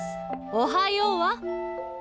おはよう。